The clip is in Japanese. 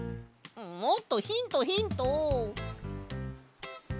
もっとヒントヒント！